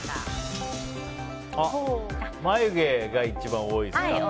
眉毛が一番多いですか。